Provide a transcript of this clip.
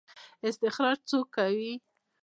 استخراج څوک کوي؟